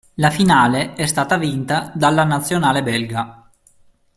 La finale è stata vinta dalla nazionale belga.